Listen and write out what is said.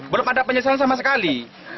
belum ada penyesuaian sama sekali